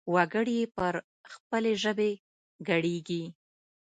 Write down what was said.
وګړي يې پر خپلې ژبې ګړيږي.